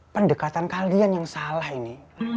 pendekatan kalian yang salah ini